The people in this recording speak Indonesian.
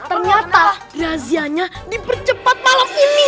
ternyata razianya dipercepat malam ini